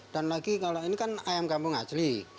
dan lagi kalau ini kan ayam kampung asli